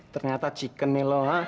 ternyata chicken nih lu hah